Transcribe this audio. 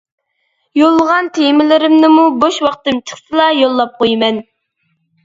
يوللىغان تېمىلىرىمنىمۇ بوش ۋاقتىم چىقسىلا يوللاپ قويىمەن.